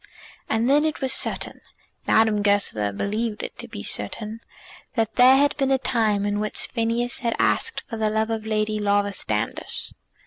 And then it was certain, Madame Goesler believed it to be certain, that there had been a time in which Phineas had asked for the love of Lady Laura Standish.